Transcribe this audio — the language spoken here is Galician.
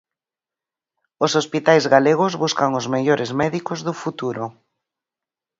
Os hospitais galegos buscan os mellores médicos do futuro.